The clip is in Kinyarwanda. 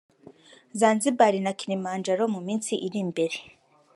Zanzibar na Kilimandjalo mu minsi iri imbere